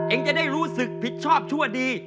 เองจะได้รู้สึกผิดชอบชั่วดี